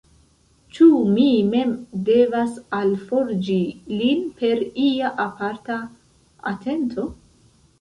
Ĉu mi mem devas alforĝi lin per ia aparta atento?